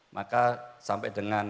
maka sampai dengan